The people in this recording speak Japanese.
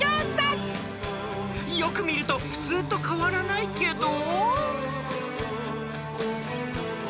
［よく見ると普通と変わらないけど？］